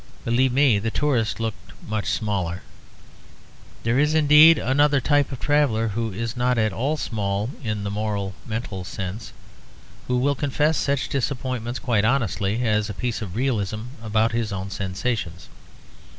Believe me, the tourist looked much smaller. There is indeed another type of traveller, who is not at all small in the moral mental sense, who will confess such disappointments quite honestly, as a piece of realism about his own sensations.